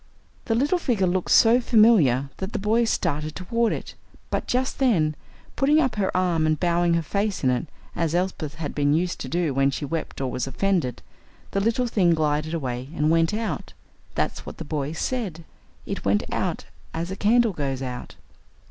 The little figure looked so familiar that the boys started toward it, but just then, putting up her arm and bowing her face in it, as Elsbeth had been used to do when she wept or was offended, the little thing glided away and went out. That's what the boys said. It went out as a candle goes out.